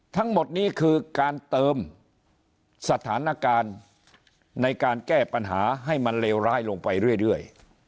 ทั้งหมดนี้คือการเติมสถานการณ์ในการแก้ปัญหาให้มันเลวร้ายลงไปเรื่อย